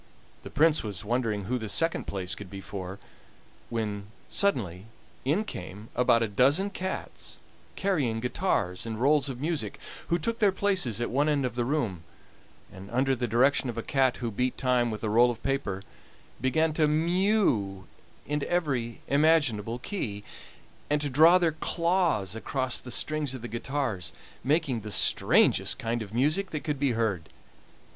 The Prince was wondering who the second place could be for, when suddenly in came about a dozen cats carrying guitars and rolls of music, who took their places at one end of the room, and under the direction of a cat who beat time with a roll of paper began to mew in every imaginable key, and to draw their claws across the strings of the guitars, making the strangest kind of music that could be heard.